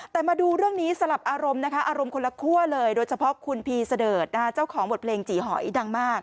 แต่มาดูเรื่องนี้สลับอารมณ์นะคะอารมณ์คนละคั่วเลยโดยเฉพาะคุณพีเสดิร์ดเจ้าของบทเพลงจีหอยดังมาก